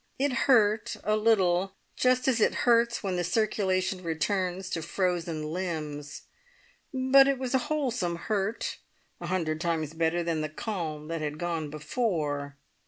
It hurt a little, just as it hurts when the circulation returns to frozen limbs, but it was a wholesome hurt, a hundred times better than the calm that had gone before.